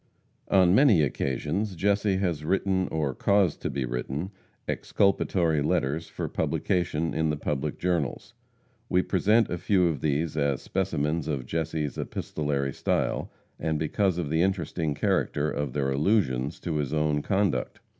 On many occasions Jesse has written, or caused to be written, exculpatory letters for publication in the public journals. We present a few of these as specimens of Jesse's epistolary style, and because of the interesting character of their allusions to his own conduct.